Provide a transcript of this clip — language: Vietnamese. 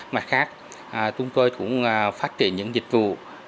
mặt khác chúng tôi cũng phát triển những dịch vụ